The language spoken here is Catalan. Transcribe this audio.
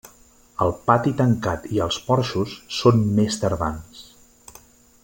El pati tancat i els porxos són més tardans.